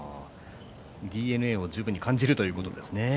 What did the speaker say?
ＤＮＡを感じるということですかね。